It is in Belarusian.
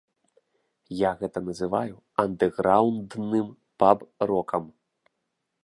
Я гэта называю андэграўндным паб-рокам.